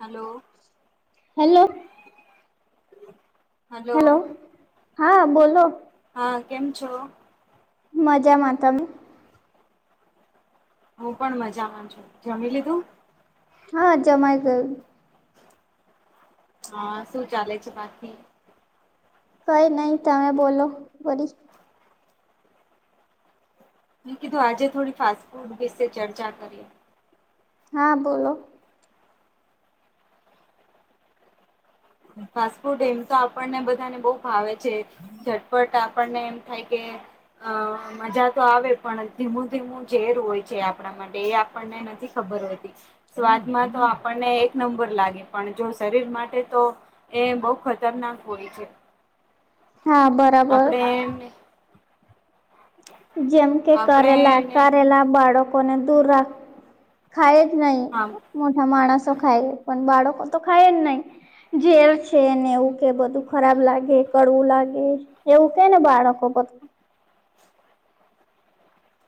Hello. Hello. Hello hello, હા બોલો. હા, કેમ છો? મજામા, તમે? હું પણ મજા મા છુ, જમી લીધું? હા જમાઈ ગયું. હા, શું ચાલે છે બાકી. કઈ નહી, તમે બોલો, વરી મે કીધું, આજે થોડી ફાસ્ટ ફૂડ વિશે ચર્ચા કરીએ. હા બોલો. ફાસ્ટ ફૂડ એમતો આપણને બધાને બહુ ભાવે છે. ઝટપટ આપણને એમ થાય કે, અ મજા તો આવે પણ ધીમું ધીમું ઝેર હોય છે આપણા માટે, એ આપણને નથી ખબર હોતી. સ્વાદમાં તો આપણને એક નંબર લાગે, પણ જો શરીર માટે તો એ બહુ ખતરનાક હોય છે. હા બર આપડે જેમકે આપણે કરેલા, એને કારેલા બાળકોને દૂર રાખ ખાયજ નહી, હા મોટા માણસો ખાયે, પણ બાળકો તો ખાયે નહી. ઝેર છેને એવું કે, બધું ખરાબ લાગે, કડવું લાગે. એવુંકે ને બાળકો બધ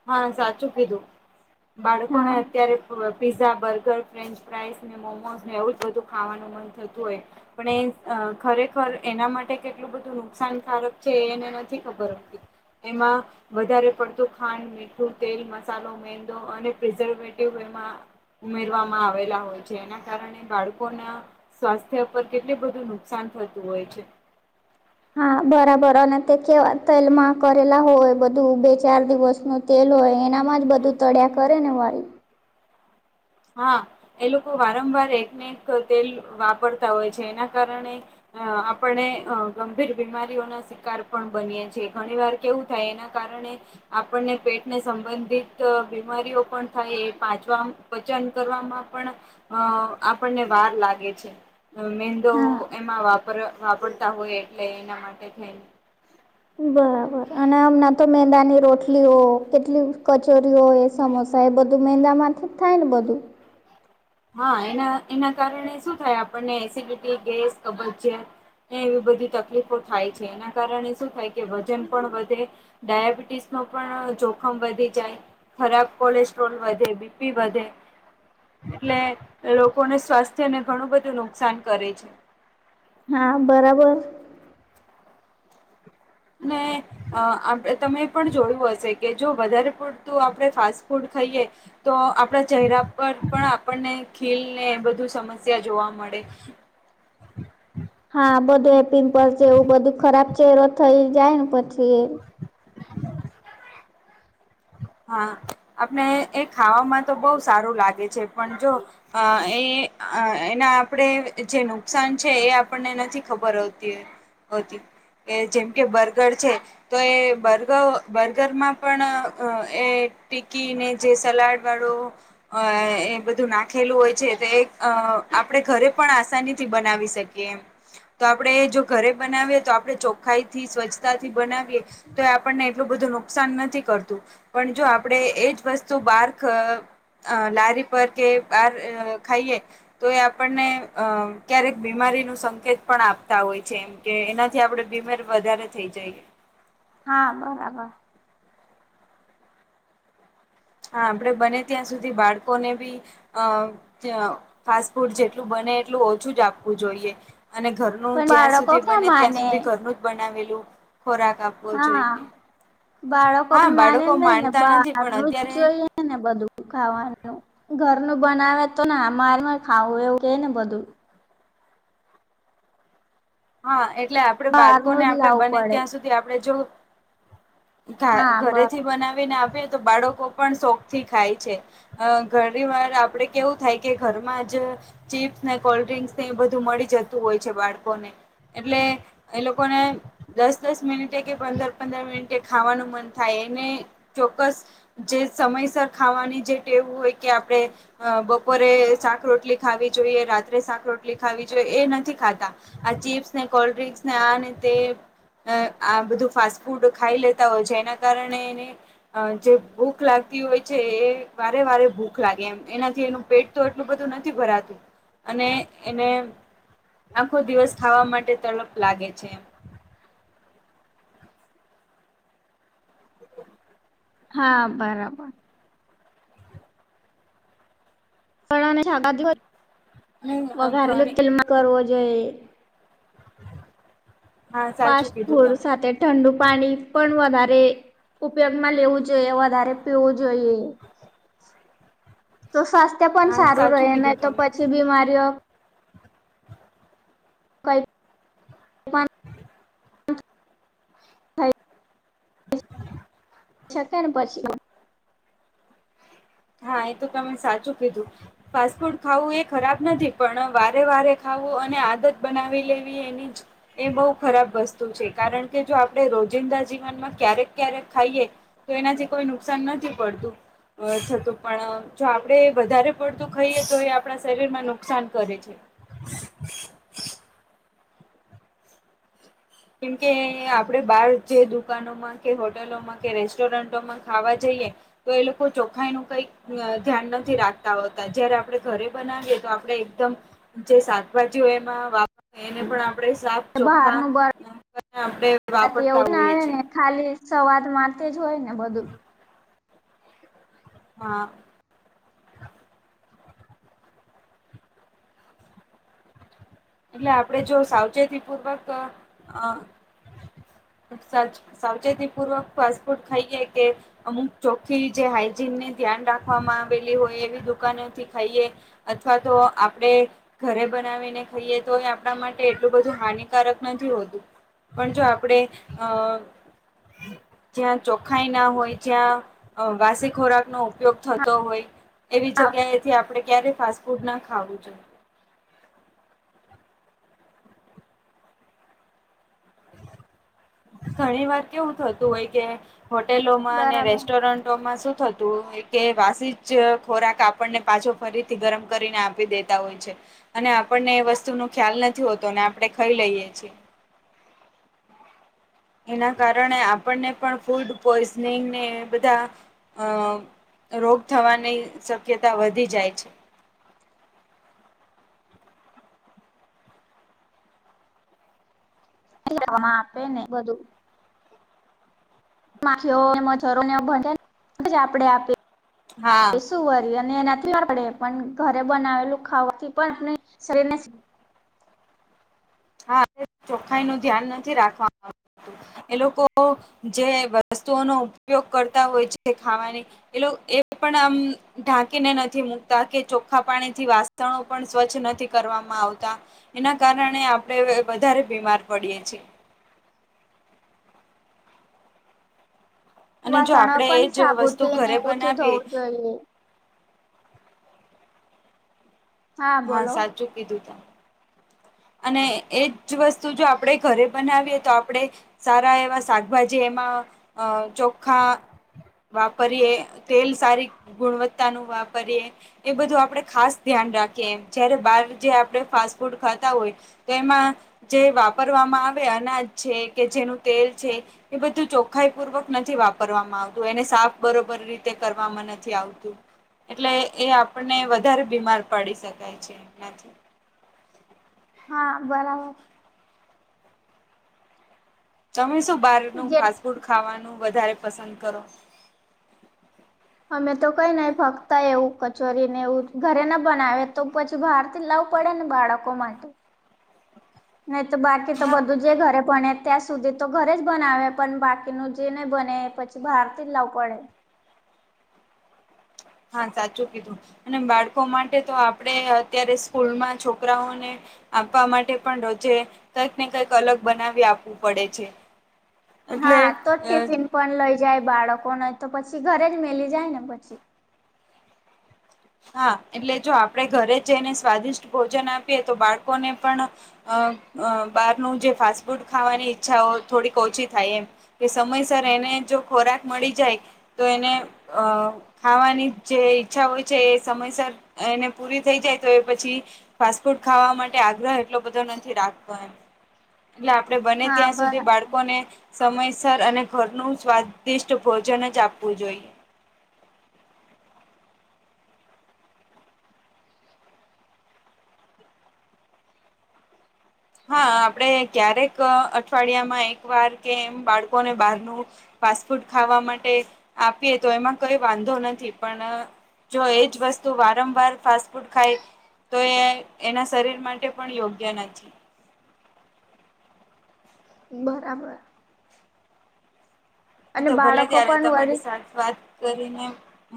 હા સાચું કીધું, બાળકોને હા અત્યારે [unintelligible] પીઝા, બર્ગર, ફ્રેન્ચ ફ્રાઈઝ, ને મોમોઝ, ને એવુંજ બધું ખાવાનું મન થતું હોય. પણએ અ ખરેખર એના માટે કેટલું બધું નુકસાનકારક છે, એ એને નથી ખબર હોતી. એમાં વધારે પડતું. ખાંડ, મીઠું, તેલ, મસાલો, મેંદો અને પ્રિઝર્વેટિવ એ ઉમેરવામાં આવેલા હોય છે, એના કારણે બાળકોના સ્વાસ્થ્ય પર કેટલું બધું નુકસાન થતું હોય છે. હા બરાબર, અને તે કેવા તેલમાં કરેલા હોય બધું, બે ચાર દિવસનું તેલ હોય, એનામાં જ બધું તળ્યા કરે ને વારી. હા, એ લોકો વારંવાર એકને એક ક તેલ વાપરતા હોય છે, એના કારણે અ આપણે અ ગંભીર બીમારીઓના સા કાર પણ બનીએ છે, ઘણી વાર કેવું થાય એના કારણે આપણને પેટને સંબંધિત બીમારીઓ પણ થાય, એ પાચવામ વચન કરવામાં પણ અ આપણને વાર લાગે છે. અ મેંદો હા. એમાં વાપર વાપરતા હોય એટલે એના માટે થઈને. બરાબર, અને મે તો મેંદાની રોટલીઓ, કેટલી કચોરીઓ સમોસા એ બધું મેંદા માંથીજ થાયને બધું. હા! એના એના કારણે શું થાય આપણને? એસિડિટી, ગેસ, કબજિયાત. એવી બધી તકલીફો થાય છે. એના કારણે શું થાય કે? વજન પણ વધે. ડાયાબિટીસ ન પણ જોખમ વધી જાય. ખરાબ કોલેસ્ટ્રોલ વધે, બીપી વધે. એટલે લોકોને સ્વાસ્થ્યને ઘણું બધું નુકસાન કરે છે. હા બરાબર. અને. અ આપ તમે એ પણ જોયું હશે કે, જો વધારે પૂડતું આપણે ફાસ્ટ ફૂડ ખાઈએ. તો આપડા ચહેરા પર પણ આપણને ખીલ ને એ બધું સમસ્યા જોવા મળે. હા! બધું પિમ્પલ છે. એવું બધું ખરાબ છે. એ થઈ જાય ને પછી. હા! આપણે એ ખાવામાં તો બહુ સારું લાગે છે. પણ જો અ એ એના આપણે જે નુકસાન છે, એ આપણને નથી ખબર આવતી હોય. [unintelligible] એ જેમ કે બર્ગર છે. તો એ બર્ગર બર્ગરમાં પણ. એ ટિકકી અને જે સલાડ વાળો. અ એ બધું નાખેલું હોય છે. તો એક આપણે ઘરે પણ આસાની થી બનાવી શકીએ એમ. તો આપડણે જો ઘરે બનાવીએ તો આપણે ચોખ્ખાઈથી સ્વચ્છતાથી બનાવીએ. તો એ આપણને એટલું બધું નુકસાન નથી કરતું. પણ જો આપણે એજ વસ્તુ બાર. અ લારી પર કે બાર ખાઈએ. તો એ આપણને અ ક્યારેક બીમારી ન સંકેત પણ આપતા હોય છે એમ. કે એનાથી આપડે બીમાર વધારે થઈ જઈએ. હા બરાબર. હા! આપણેે બને ત્યાં સુધી, બાળકોને બી. અ ફાસ્ટ ફૂડ જેટલું બને એટલું ઓછું જ આપવું જોઈએ. અને ઘરનું પણ જ્યાં બાળકો સુધી ક્યાં બને ત્યાં માને સુધી ઘરનું જ બનાવેલું, ખોરાક આપ. હા! બાળકો હા પણ માને બાળકો નઈ ને, માનતા નથી બહાર પણ નું અત્યારે જોઈ. ને બધું ખાવાનું. ઘરનું બનાવે તો ને આ મારમાં ખાવું એવું કે ને બધું. હા! એટલે આપડે બાળકોને બહારનું જ આપડે લાવું બને પડે ત્યાં સુધી આપડ જો. ઘ હા બરાબર. ઘરેથી બનાવીને આપએ તો, બાળકો પણ શોખ થી ખાય છે. અ ઘણી વાર આપડે કેવું થાય કે, ઘરમાં જ. ચીપ્સ ને, કોલ્ડ્રિંકસ ને એ બધું મળી જતું હોય છે બાળકો ને. એટલે એ લોકોને. દસ દસ મિનિટે કે પંદર પંદર મિનિટે ખાવાનું મન થાય. એને ચોક્કસ જે સમયસર ખાવાની જે ટેવું હોય કે આપડણે. અ બપોરે શાક રોટલી ખી જોઈએ. રાત્રે શાક રોટલી ખી જોઈએ. એ નથી ખાતા. આ ચીપ્સ ને, કોલ્ડ્રિંકસ ને આ તે. અ આ બધું ફાસ્ટ ફૂડ ખાઈ લેતા હોય છે. એના કારણે એને. અ જે ભૂખ લાગતી હોય છે. એ વારે વારે ભૂખ લાગે એમ. એનાથી એનું પેટ. એટલું બધું નથી ભરાતું. અને એને આખો દિવસ ખાવા માટે. તડક લાગે છે. હા! બરાબર. પણળ અને શાકાભાજી અને વઘારે ઘણી તેલમાં કરવો જોઈએ હા પાસ સાચું કીધું ફુડ તમે સાથે ઠંડુ પાણી પણ વધારે ઉપયોગ માં લેવું જોઈએ વધારે પીવું જોઈએ. તો સ્વાસ્થ્ય પણ હા સારું સાચું રહે ને કીધું તો તમે પછી બીમારીઓ. કઈ. પણ હમ થઈ શક ને પછી હા એ તો તમે સાચું કીધું ફાસ્ટફૂડ ખાવું એ ખરાબ નથી પણ વારે વારે ખાવું અને આદત બનાવી લેવી એની જ એ બહુ ખરાબ વસ્તુ છે કારણ કે જો આપણે રોજિંદા જીવનમાં ક્યારેક ક્યારેક ખાઈએ તો એનાથી કોઈ નુકસાન નથી પડતું તો પણ જો આપડે વધારે પડતું ખાઈએ તો એ આપણા શરીરમાં નુકસાન કરે છે. કેમકે આપડે બહાર જે દુકાનોમાં કે હોટેલોમાં કે રેસ્ટોરન્ટોમાં ખાવા જઈએ તો એ લોકો ચોખાઈ ન કઈક અ ધ્યાન નથી રાખતા હોતા જયારે આપડણે ઘરે બનાવીએ તો આપણે એકદમ જે શાકભાજી હોય એમાં વાવ એને પણ આપણેે શાક ચોખા બહારનું બ આપણેે રાતે વાપરતા એવું ના હોઈએ છ આવે છેએ ને ખાલી સવાદ માટે જ હોય ને બધું. હા એટલે આપડે જો સાવચેતી પૂર્વક અસાજ સાવચેતી પૂર્વક ફાસ્ટ ફૂડ ખાઈએ કે અમુક ચોખ્ખી જે હાઈજીન ને ધ્યાન રાખવામાં આવેલી હોય એવી દુકાનોથી ખાઈએ અથવા તો આપણેે ઘરે બનાવીને થઈએ તો એ આપણા માટે એટલું બધું હાનિકારક નથી હોતું પણ જો આપણેે અ જ્યાં ચોખાઈ ના હોય જ્યાં અ વાસી ખોરાકનો ઉપયોગ થતો હોય એવી જગ્યાએથી આપડણે ક્યારેય ફાસ્ટ ફૂડ ના ખાવું જોઈએ ઘણી વાર કેવું થતું હોય કે હોટેલોમાં અને બરાબર રેસ્ટોરન્ટોમાં શું થતું. કે વાસી જ ખોરાક આપણને પાછો ફરીથી ગરમ કરીને આપી દેતા હોય છે. અને આપણને એ વસ્તુ નો ખ્યાલ નથી હોતો અને આપણે ખાઈ લઈએ છીએ એના કારણે આપણને પણ ફૂડ પોઈઝનિંગને બધા અ રોગ થવાની શક્યતા વધી જાય છે. આપે ને બધું માખીઓ મજરો ને એ ભજાયને આપડે આપી હા સુુંરી અને એનાથી વાડે પણ ઘરે બનાવેલું ખાવાથી પણ આપ શરીર ને હા ચોખાઈ નું ધ્યાન નથી રાખવામાં એ લોકો જે વસ્તુઓનો ઉપયોગ કરતા હોય છે ખાવાની એટ એ પણ આમ ઢાંકીને નથી મુૂકતા કે ચોખ્ખા પાણી થી વાસ પણ સ્વચ્છ નથી કરવામાં આવતા એના કારણે આપ વધારે બીમાર પડીએ છીએ અને જો વાસણ આપણે એ પણ જ વસ્તુ સાબુથી ને ઘરે એવું થી ધ બનાવીએ હોવું જોઈએ હા સાચું કીધું ત અને એજ વસ્તુ જો આપણે ઘરે બનાવીએ તો આપણે સારા એવા શાકભાજી એમાં અ ચોખા વાપરીએ તેલ સારી ગુણવત્તા નું વાપરીએ એ બધું આપડણે ખાસ ધ્યાન રાખીએ એમ જયારે બાર જે આપણે ફાસ્ટ ફૂડ હોય તો એમાં જે વાપરવામાં આવે અનાજ છે કે જેનું તેલ છે. એ બધું ચોખ્ખાઈ પૂર્વક નથી વાપરવામાં આવતું એને સાફ બરોબર રીતે કરવા મને આવતું એટલે એ આપણને વધારે બીમાર પડી શકાય છે એથી હા બરાબર તમે શું બહારનું જે ફાસ્ટ ફૂડ ખાવાનું વધારે પસંદ કરો અમે તો કઈ નને ફક્ત એવું કચોરી ને એવું ઘરે ના બનાવે તો પછી સુભાર લાવવું પડે ને બાળકો માટે નહી તો બાકી તો હા બધું જ જે ઘરે ભને ત્યાં સુધી તો ઘરે જ બનાવે પણ બાકીનું જે નહી બને એ પછી બહાર થી જ લાવું પડે હા સાચું કીધુ અને બાળકો માટે તો આપણે અત્યારે સ્કૂલમાં છોકરાઓને. આપવા માટે પણ રોજે કઈક ને કંઈક અલગ બનાવી આપવું પડે છે. એટલે હા તો ટિફિન પણ લઈ જાય, બાળકોને તો પછી ઘરે જ મેલી જાય ને પછી. હા એટલે જો આપણેે ઘરે જઈને સ્વાદિષ્ટ ભોજન આપીએ તો બાળકોને પણ અ બારનું જે ફાસ્ટ ફૂડ ખાવાની ઈચ્છાઓ થોડીક ઓછી થાય એમ કે સમયસર એને જો ખોરાક મળી જાય. તો એને અ ખાવાની જે ઈચ્છા હોય. છે, એ સમયસર એને પૂરી થઈ જાય તો એ પછી ફાસ્ટ ફૂડ ખાવા માટે આગ્રહ એટલો બધો નથી રાખતો એમ એટલે આપડે બને હા ત્યાં સુધી બરાબર બાળકોને સમયસર અને ઘરનું સ્વાદિષ્ટ ભોજન જ આપવું જોઈએ. હા આપડે ક્યારેક અઠવાડિયામાં એક વાર કે એમ બાળકોને બહારનુ ફાસ્ટફૂડ ખાવા માટે આપીએ તો એમાં કોઈ વાંધો નથી પણ જો એજ વસ્તુ વારંવાર ફાસ્ટ ફૂડ ખાય તો એ એના શરીર માટે પણ યોગ્ય નથી. બરાબર હ અને તો ભલે બાળકો ત્યારે પણ તમારી વળી સાથે વાત કરીને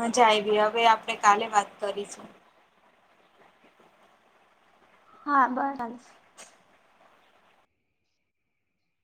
મજા આવી હવે આપણે કાલે વાત કરીશુ હા બરા